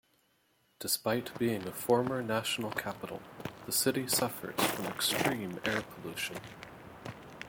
Despite being a former national capital, the city suffers from extreme air pollution.